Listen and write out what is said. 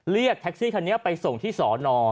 เรียกแท็กซี่คันนี้ไปส่งที่สอนอ